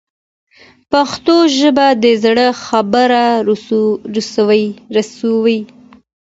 پښتو ژبه د زړه خبره رسوي.